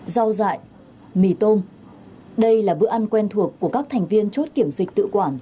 rau dại mì tôm đây là bữa ăn quen thuộc của các thành viên chốt kiểm dịch tự quản